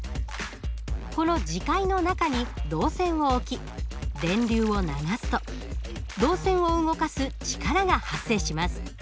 この磁界の中に導線を置き電流を流すと導線を動かす力が発生します。